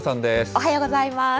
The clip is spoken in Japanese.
おはようございます。